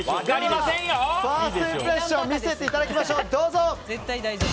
ファーストインプレッションを見せていただきましょう。